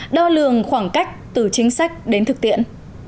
đo lường khoảng cách từ chính sách đến thực tiễn